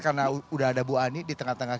karena udah ada bu ani di tengah tengah